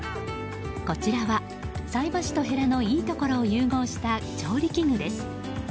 こちらは、菜箸とヘラのいいところを融合した調理器具です。